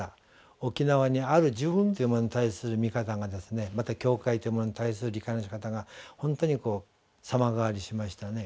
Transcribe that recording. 沖縄にある自分というものに対する見方がまた教会というものに対する理解のしかたがほんとに様変わりしましたね。